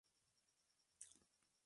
Y fue embajador de Chile en Panamá.